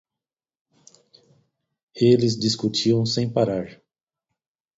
Eles discutiam sem parar.